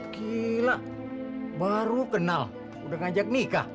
gila baru kenal udah ngajak nikah